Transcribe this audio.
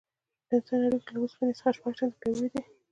د انسان هډوکي له اوسپنې څخه شپږ چنده پیاوړي دي.